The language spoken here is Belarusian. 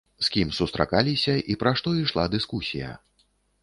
З кім сустракаліся і пра што ішла дыскусія?